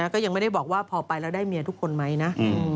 ก็ยังไม่ได้บอกว่าพอไปแล้วได้เมียทุกคนไหมนะ